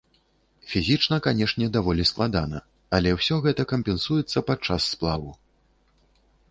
Фізічна, канешне, даволі складана, але ўсё гэта кампенсуецца падчас сплаву.